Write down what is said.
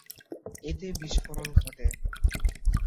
এতে বিস্ফোরণ ঘটে।